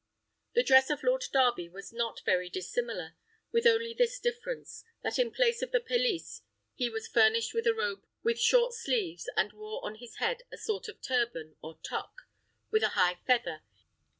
The dress of Lord Darby was not very dissimilar, with only this difference, that in place of the pelisse, he was furnished with a robe with short sleeves, and wore on his head a sort of turban, or toque, with a high feather.